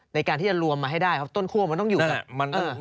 ในการที่จะรวมมาให้ได้ครับต้นคั่วมันต้องอยู่กับมัน